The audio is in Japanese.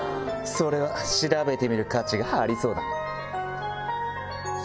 それは調べてみる価値がありそうだ。